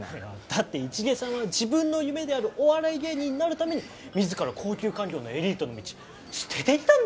だって市毛さんは自分の夢であるお笑い芸人になるために自ら高級官僚のエリートの道捨ててきたんだよ？